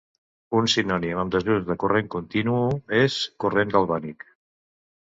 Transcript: Un sinònim en desús de corrent continu és corrent galvànic.